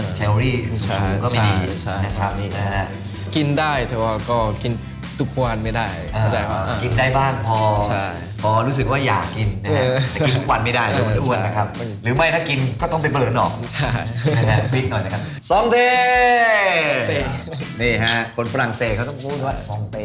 นี่ฮะคนฝรั่งเศสเขาต้องพูดว่าสองเต้